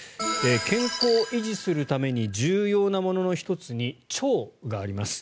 健康を維持するために重要なものの１つに腸があります。